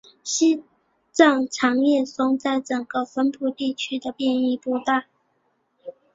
西藏长叶松在整个分布地区的变异不大。